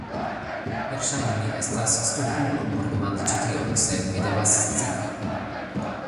Verŝajne mi estas stultulo por demandi ĉi tion sed mi devas scii